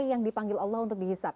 yang dipanggil allah untuk dihisap